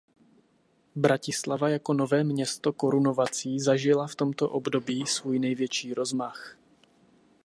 Bratislava jako nové město korunovací zažila v tomto období svůj největší rozmach.